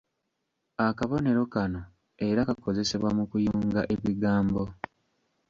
Akabonero kano era kakozesebwa mu kuyunga ebigambo.